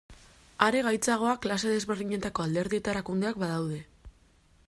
Are gaitzagoa klase desberdinetako alderdi eta erakundeak badaude.